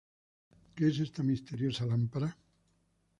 Que es esta misteriosa lámpara?